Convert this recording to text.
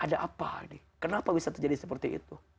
ada apa nih kenapa bisa terjadi seperti itu